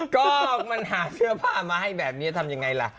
ก็มันหาเสื้อผ้ามาให้แบบนี้ทำยังไงล่ะ